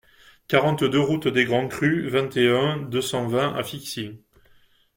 quarante-deux route des Grands Crus, vingt et un, deux cent vingt à Fixin